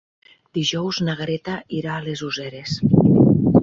Dijous na Greta irà a les Useres.